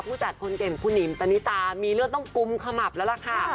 ผู้จัดคนเก่งคุณหิมปณิตามีเลือดต้องกุมขมับแล้วล่ะค่ะ